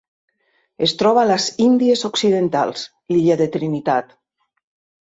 Es troba a les Índies Occidentals: l'illa de Trinitat.